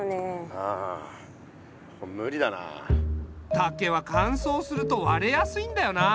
竹はかんそうすると割れやすいんだよな。